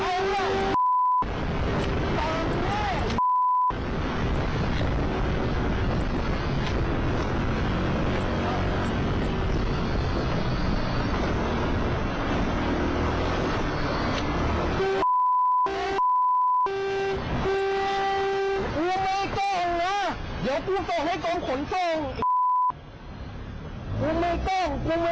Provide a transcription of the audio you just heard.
โอ้จอดเลยมันกล้วนขึ้นมา